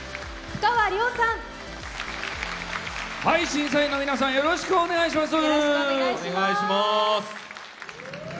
審査員の皆さん、よろしくお願いします！